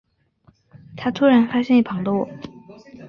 他突然发现一旁的我